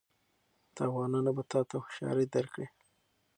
تاوانونه به تا ته هوښیاري درکړي.